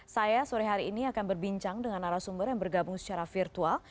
saya sore hari ini akan berbincang dengan arah sumber yang bergabung secara virtual